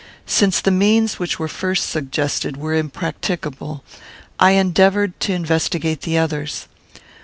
Since the means which were first suggested were impracticable, I endeavoured to investigate others.